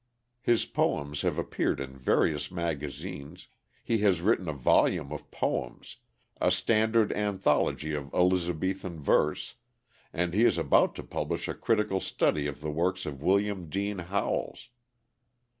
His poems have appeared in various magazines, he has written a volume of poems, a standard anthology of Elizabethan verse, and he is about to publish a critical study of the works of William Dean Howells.